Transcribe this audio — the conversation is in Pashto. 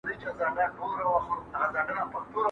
¬ د پاچا د زوره مو وساتې، او د ملا د توره.